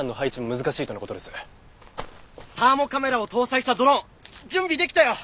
サーモカメラを搭載したドローン準備できたよ！